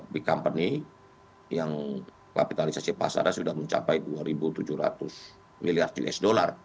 di company yang kapitalisasi pasarnya sudah mencapai dua tujuh ratus miliar usd